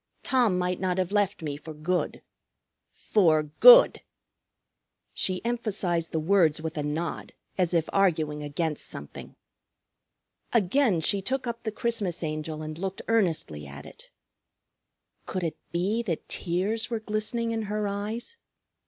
Tom might not have left me for good. For good." She emphasized the words with a nod as if arguing against something. Again she took up the Christmas Angel and looked earnestly at it. Could it be that tears were glistening in her eyes?